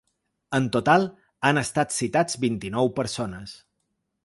En total, han estat citats vint-i-nou persones.